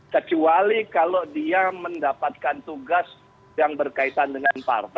ketua dpp pdi perjuangan